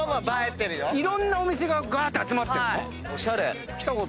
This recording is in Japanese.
いろんなお店ががーって集まってんの？